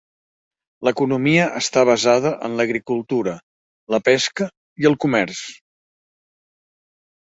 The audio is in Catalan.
L'economia està basada en l'agricultura, la pesca i el comerç.